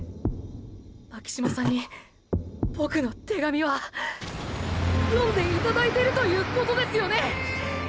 巻島さんにボクの手紙は読んでいただいてるということですよね！！